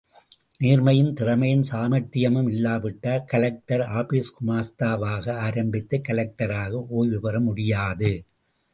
நேர்மையும், திறமையும், சாமர்த்தியமும் இல்லாவிட்டால், கலெக்டர் ஆபீஸ் குமாஸ்தாவாக ஆரம்பித்து, கலெக்டராக ஓய்வு பெற முடியாது.